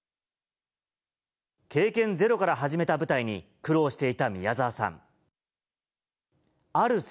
経験ゼロから始めた舞台に苦労していた宮沢さん。